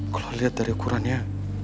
kalau dilihat dari ukurannya